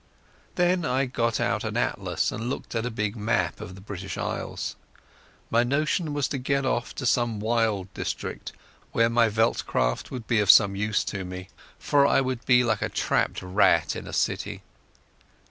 Then I got out an atlas and looked at a big map of the British Isles. My notion was to get off to some wild district, where my veldcraft would be of some use to me, for I would be like a trapped rat in a city.